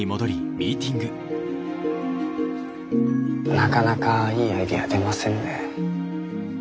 なかなかいいアイデア出ませんね。